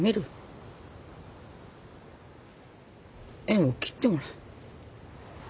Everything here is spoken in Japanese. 縁を切ってもらう。